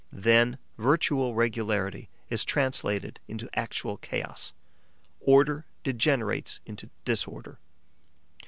Then virtual regularity is translated into actual chaos; order degenerates into disorder.